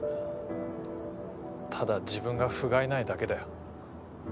ただ自分がふがいないだけだよ。